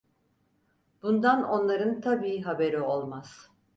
Bundan onların tabii haberi olmaz…